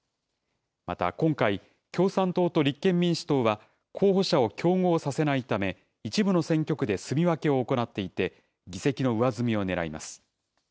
また、今回、共産党と立憲民主党は候補者を競合させないため、一部の選挙区ですみ分けを行っていて、議席の上積みをねらいます。